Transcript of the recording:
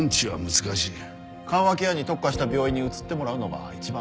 緩和ケアに特化した病院に移ってもらうのが一番だ。